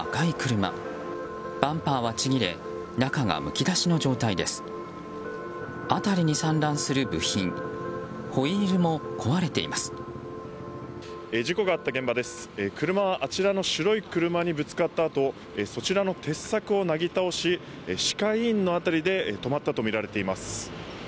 車はあちらの白い車にぶつかったあとそちらの鉄柵をなぎ倒し歯科医院の辺りで止まったとみられています。